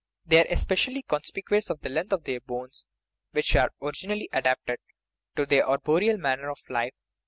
They are especially con spicuous for the length of their bones, which were orig inally adapted to their arboreal manner of life.